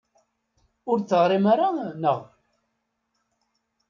Ur d-teɣrim ara, naɣ?